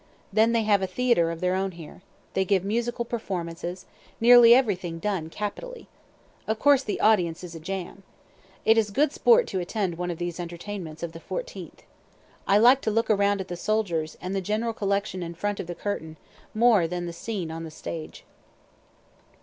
Then they have a theatre of their own here. They give musical performances, nearly everything done capitally. Of course the audience is a jam. It is good sport to attend one of these entertainments of the 14th. I like to look around at the soldiers, and the general collection in front of the curtain, more than the scene on the stage.